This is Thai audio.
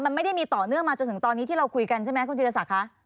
มันไม่ได้มีต่อเนื่องมาจนถึงตอนนี้ที่เราคุยกันใช่ไหมคุณธีรศักดิ์คะ